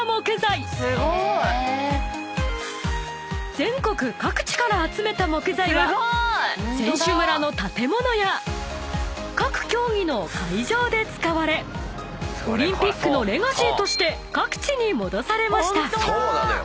［全国各地から集めた木材は選手村の建物や各競技の会場で使われオリンピックのレガシーとして各地に戻されました］